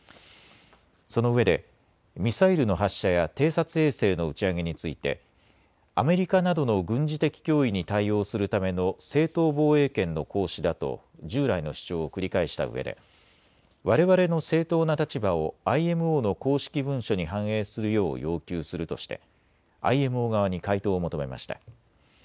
そのうえでミサイルの発射や偵察衛星の打ち上げについてアメリカなどの軍事的脅威に対応するための正当防衛権の行使だと従来の主張を繰り返したうえでわれわれの正当な立場をＩＭＯの公式文書に反映するよう要求するとしてＩＭＯ側に回答を求めました。